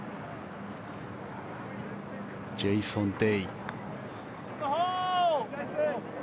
ジェイソン・デイ。